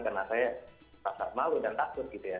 karena saya merasa malu dan takut gitu ya